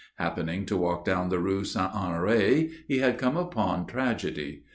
Happening to walk down the Rue Saint Honoré, he had come upon tragedy.